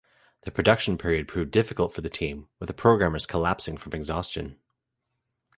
The production period proved difficult for the team, with the programmers collapsing from exhaustion.